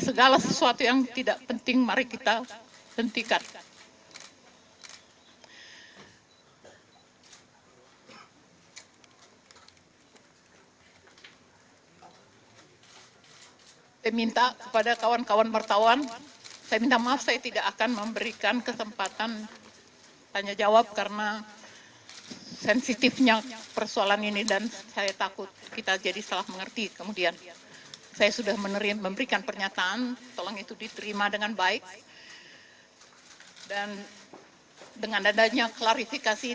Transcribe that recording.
saya meminta maaf kepada teman teman seperjuangan di koalisi dua